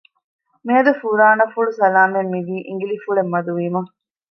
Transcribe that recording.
މިއަދު ފުރާނަފުޅު ސަލާމަތް މިވީ އިނގިލިފުޅެއް މަދު ވީމަ